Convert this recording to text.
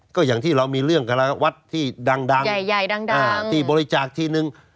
ก็อย่างที่เรามีเรื่องกับวัดที่ดังใหญ่ดังที่บริจาคทีนึง